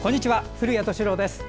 古谷敏郎です。